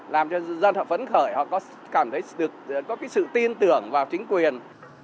làm cho dân họ phấn khởi họ có cảm thấy được có cái sự tin tưởng vào chính quyền